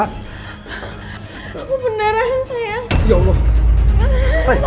ntar kami pesen lagi